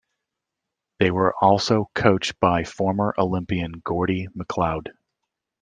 They were also coach by former Olympian Gordie McLeod.